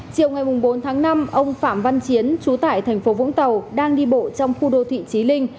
chiều ngày bốn tháng năm ông phạm văn chiến chú tại thành phố vũng tàu đang đi bộ trong khu đô thị trí linh